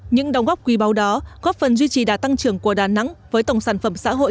những đóng góp quý báu đó góp phần duy trì đà tăng trưởng của đà nẵng với tổng sản phẩm xã hội